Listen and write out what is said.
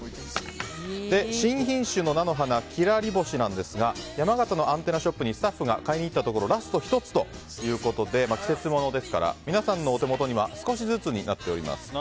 新品種の菜の花キラリボシですが山形のアンテナショップにスタッフが買いに行ったところラスト１つということで季節ものですから皆さんのお手元には少しずつになっております。